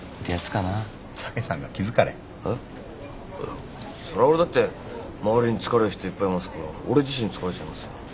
いやそりゃ俺だって周りに疲れる人いっぱいいますから俺自身疲れちゃいますよ。